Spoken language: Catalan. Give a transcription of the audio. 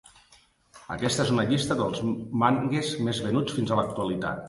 Aquesta és una llista dels mangues més venuts fins a l'actualitat.